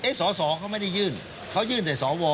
สอสอเขาไม่ได้ยื่นเขายื่นแต่สว